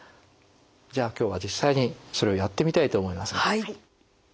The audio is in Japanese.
じゃあ今日は実際にそれをやってみたいと思います。